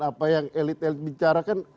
apa yang elit elit bicarakan